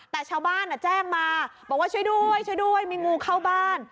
แต่ชาวบ้านแจ้งมาบอกว่าช่วยด้วยช่วยด้วยมีงูเข้าบ้าน